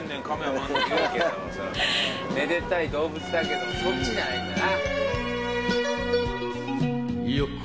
めでたい動物だけどそっちじゃないんだな。